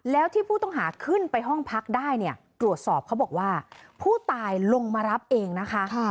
แล้วที่ผู้ต้องหาขึ้นไปห้องพักได้เนี่ยตรวจสอบเขาบอกว่าผู้ตายลงมารับเองนะคะ